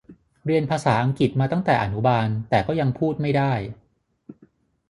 เรียนภาษาอังกฤษมาตั้งแต่อนุบาลแต่ก็ยังพูดไม่ได้